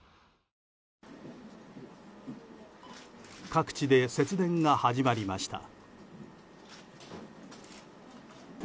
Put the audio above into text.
各地で節電が始まりました。